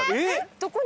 どこに？